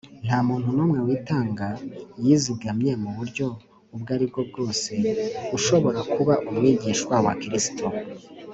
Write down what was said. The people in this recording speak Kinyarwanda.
nta muntu n’umwe witanga yizigamye mu buryo ubwo aribwo bwose ushobora kuba umwigishwa wa kristo,